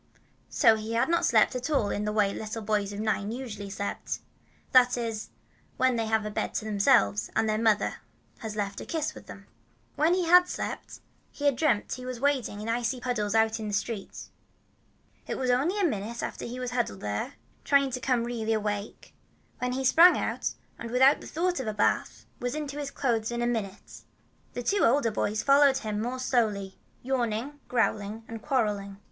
So he had not slept at all in the way little boys of nine usually sleep, that is, when they have a bed to themselves, and their mother has left a kiss with them. When he had slept, he had dreamed he was wading in icy puddles out in the street. But it was only a minute that he huddled there, trying to come really awake, and then he sprang out, and without thought of a bath, was into his clothes in a minute. The two older boys followed him more slowly, yawning, growling, and quarreling.